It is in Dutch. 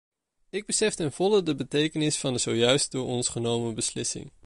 Ik besef ten volle de betekenis van de zojuist door ons genomen beslissing.